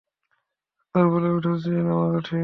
Doctor বলে, উঠার চেয়ে নামা কঠিন।